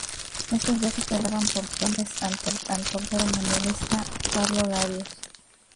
Estos dos, superaban por creces al portero mundialista Pablo Larios.